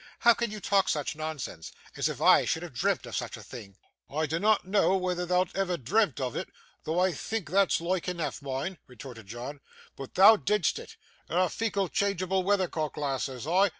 'How can you talk such nonsense? As if I should have dreamt of such a thing!' 'I dinnot know whether thou'd ever dreamt of it, though I think that's loike eneaf, mind,' retorted John; 'but thou didst it. "Ye're a feeckle, changeable weathercock, lass," says I.